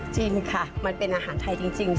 จริงค่ะมันเป็นอาหารไทยจริง